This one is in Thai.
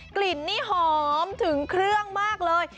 กลิ่นนี่หอมถึงเครื่องมากเลย